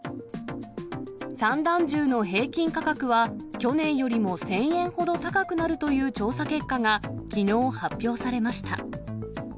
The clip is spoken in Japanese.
三段重の平均価格は去年よりも１０００円ほど高くなるという調査結果が、きのう発表されました。